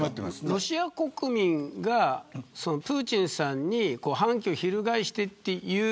ロシア国民がプーチンさんに反旗を翻してというストーリー。